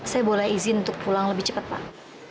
saya boleh izin untuk pulang lebih cepat pak